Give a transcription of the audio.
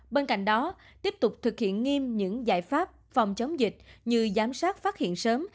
bên cạnh đó tiếp tục thực hiện nghiêm những giải pháp phòng chống dịch như giám sát phát hiện sớm